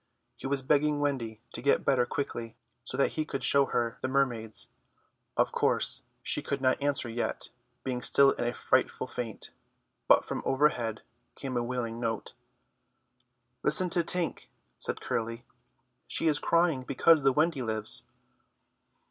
He was begging Wendy to get better quickly, so that he could show her the mermaids. Of course she could not answer yet, being still in a frightful faint; but from overhead came a wailing note. "Listen to Tink," said Curly, "she is crying because the Wendy lives."